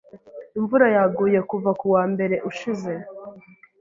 Imvura yaguye kuva kuwa mbere ushize.